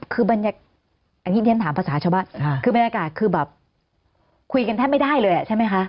คือบรรยากาศคือแบบคุยกันแทบไม่ได้เลยใช่ไหมคะ